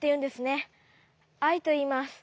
アイといいます。